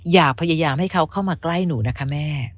อย่าพยายามให้เขาเข้ามาใกล้หนูนะคะแม่